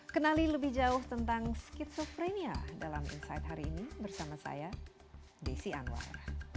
kenali lebih jauh tentang skizofrenia dalam insight hari ini bersama saya desi anwar